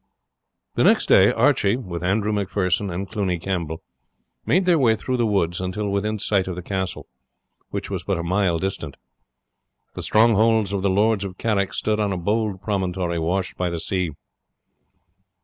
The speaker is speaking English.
The next day Archie, with Andrew Macpherson and Cluny Campbell, made their way through the woods until within sight of the castle, which was but a mile distant. The strongholds of the lords of Carrick stood on a bold promontory washed by the sea.